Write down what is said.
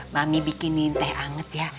bami bikinin teh anget ya